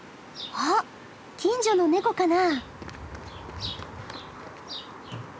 あっ近所の猫かな？